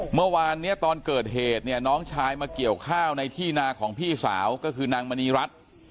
เมื่อวานเนี่ยตอนเกิดเหตุเนี่ยน้องชายมาเกี่ยวข้าวในที่นาของพี่สาวก็คือนางมณีรัฐ